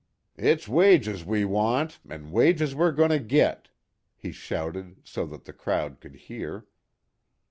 "It's wages we want an' wages we're goin' to git!" he shouted so that the crowd could hear.